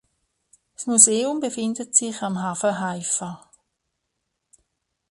Das Museum befindet sich am Hafen Haifa.